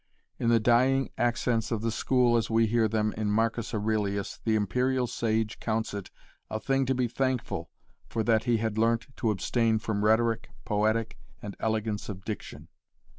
In the dying accents of the school as we hear them in Marcus Aurelius the imperial sage counts it a thing to be thankful for that he had learnt to abstain from rhetoric, poetic, and elegance of diction.